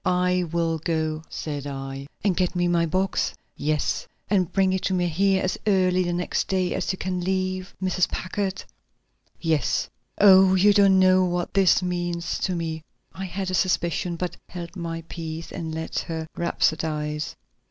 "I will go," said I. "And get me my box?" "Yes!" "And bring it to me here as early the next day as you can leave Mrs. Packard?" "Yes." "Oh, you don't know what this means to me." I had a suspicion, but held my peace and let her rhapsodize.